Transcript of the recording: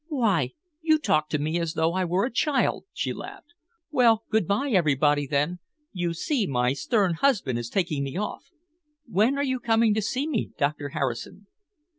"Why, you talk to me as though I were a child," she laughed. "Well, good bye, everybody, then. You see, my stern husband is taking me off. When are you coming to see me, Doctor Harrison?"